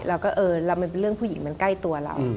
เราก็เออเรื่องผู้หญิงมันใกล้ตัวเรา